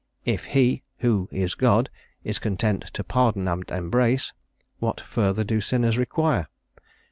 If he, who is God, is content to pardon and embrace, what further do sinners require?